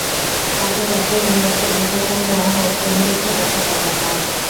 তাঁকে যতই গুণবাচক বিশেষণ দেওয়া হোক, তিনি কিছু করতে পারবেন না।